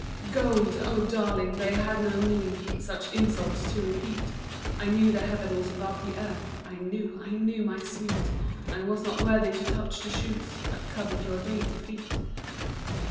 Gold! Oh, darling, they had no need Such insults to repeat; I knew the Heaven was above the earth, I knew, I knew, my sweet, I was not worthy to touch the shoes That covered your dainty feet.